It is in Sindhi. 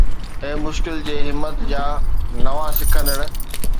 اي مشڪل جي همت جا نوان سکندڙ